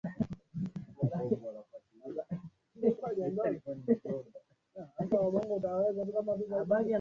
mgonjwa wa malaria anaweza kuwa na joto kali sana